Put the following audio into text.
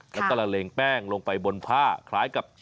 แล้วก็ละเลงแป้งลงไปบนผ้าคล้ายกับ